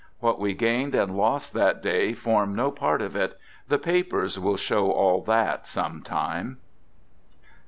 What we gained and lost that day form no part of it — the papers will show all that some time.